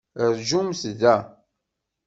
Rǧumt da!